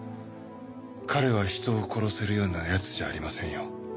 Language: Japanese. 彼は人を殺せるようなやつじゃありませんよ。